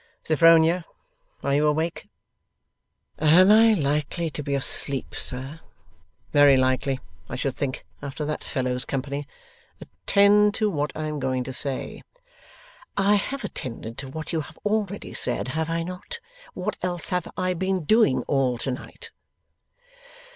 'Sophronia, are you awake?' 'Am I likely to be asleep, sir?' 'Very likely, I should think, after that fellow's company. Attend to what I am going to say.' 'I have attended to what you have already said, have I not? What else have I been doing all to night.